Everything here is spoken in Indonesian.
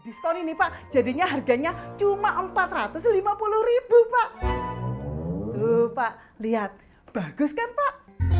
diskon ini pak jadinya harganya cuma empat ratus lima puluh pak lihat bagus kan pak